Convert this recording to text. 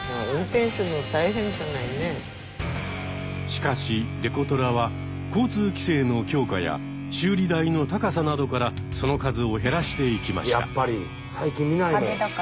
しかしデコトラは交通規制の強化や修理代の高さなどからその数を減らしていきました。